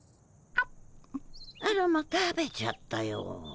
あらま食べちゃったよ。